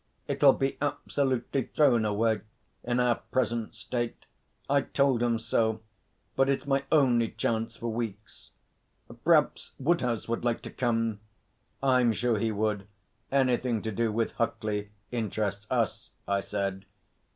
'It'll be absolutely thrown away in our present state. I told 'em so; but it's my only chance for weeks. P'raps Woodhouse would like to come.' 'I'm sure he would. Anything to do with Huckley interests us,' I said.